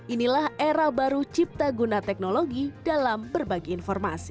inilah era baru cipta guna teknologi dalam berbagi informasi